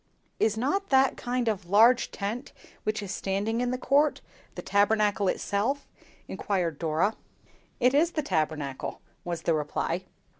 "Is not that kind of large tent which is standing in the court, the Tabernacle itself?" inquired Dora. "It is the Tabernacle," was the reply.